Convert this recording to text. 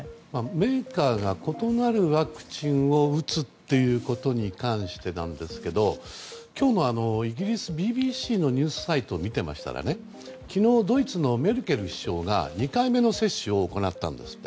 メーカーが異なるワクチンを打つということに関してなんですが今日のイギリスＢＢＣのニュースサイトを見ていたら昨日、ドイツのメルケル首相が２回目の接種を行ったんですって。